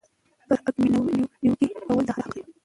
پر حاکمیت نیوکې کول د هر چا حق دی.